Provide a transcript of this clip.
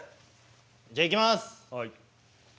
じゃあいきます！